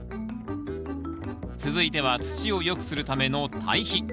続いては土をよくするための堆肥。